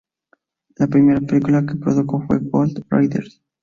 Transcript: La primera película que produjo fue "Gold Raiders".